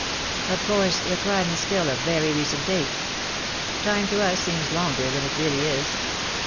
Of course the crime is still of very recent date. Time to us seems longer than it really is."